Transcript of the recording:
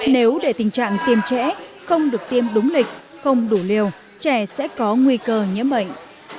nếu để tình trạng tiêm trẻ không được tiêm đúng lịch không đủ liều trẻ sẽ có nguy cơ nhiễm bệnh